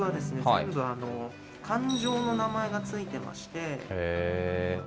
全部あの感情の名前がついてましてへえ